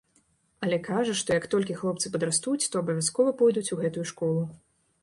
Але кажа, што, як толькі хлопцы падрастуць, то абавязкова пойдуць у гэтую школу.